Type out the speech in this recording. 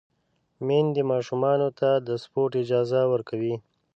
میندې ماشومانو ته د سپورت اجازه ورکوي۔